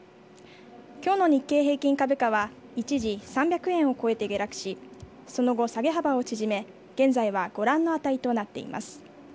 今日の日経平均株価は一時３００円を超えて下落しその後、下げ幅を縮め現在はご覧の値となっています。